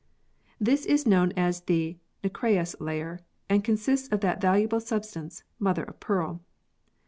It is known as the nacreous layer, and consists of that valuable substance, mother of pearl.